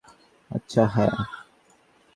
আচ্ছা, হ্যাঁ।